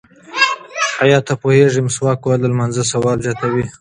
ایا ته پوهېږې چې مسواک وهل د لمانځه ثواب زیاتوي؟